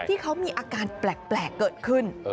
ที่เขามีอาการแปลกเกิดขึ้น